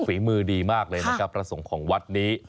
ฝีมือดีมากเลยนะครับพระสงฆ์ของวัดนี้